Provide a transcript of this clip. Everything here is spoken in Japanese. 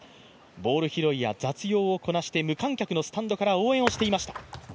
ボール拾いや雑用をこなして無観客のスタンドから応援をしていました。